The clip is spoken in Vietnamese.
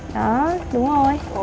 đó đúng rồi